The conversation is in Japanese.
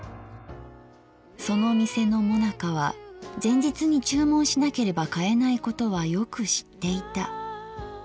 その店のもなかは前日に注文しなければ買えないことはよく知っていた。